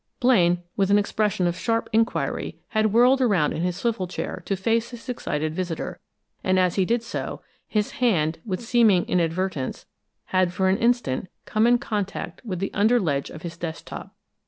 Blaine, with an expression of sharp inquiry, had whirled around in his swivel chair to face his excited visitor, and as he did so, his hand, with seeming inadvertence, had for an instant come in contact with the under ledge of his desk top.